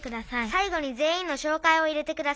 「さいごにぜんいんのしょうかいを入れてください」。